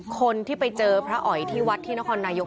คนที่ไปเจอพระอ๋อยที่วัดที่นครนายก